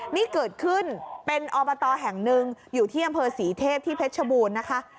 นี่เกิดขึ้นเป็นอบตแห่งหนึ่งอยู่ที่อำเภอศรีเทพที่เพชรชบูรณ์นะคะ